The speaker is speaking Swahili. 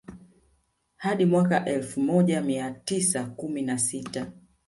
Hadi mwaka wa elfu moja mia tisa kumi na sita